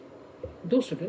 どうする？